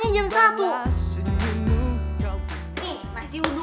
emang masih minggu